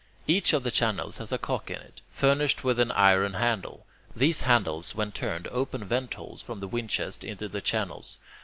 Each of the channels has a cock in it, furnished with an iron handle. These handles, when turned, open ventholes from the windchest into the channels.